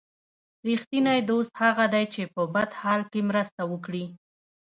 رښتینی دوست هغه دی چې په بد حال کې مرسته وکړي.